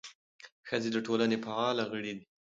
ښځې د ټولنې فعاله غړي دي.